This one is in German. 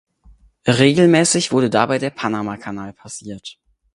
Regelmäßig wurde dabei der Panamakanal passiert.